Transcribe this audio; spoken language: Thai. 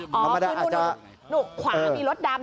อ๋อคือคุณหนูขวามีรถดำ